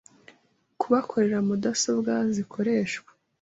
kubakorera mudasobwa zikoreshwa